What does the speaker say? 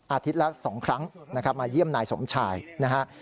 อาทิตย์ละ๒ครั้งมาเยี่ยมนายสมชายนะครับ